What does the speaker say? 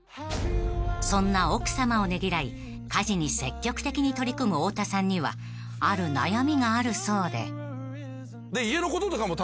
［そんな奥さまをねぎらい家事に積極的に取り組む太田さんにはある悩みがあるそうで］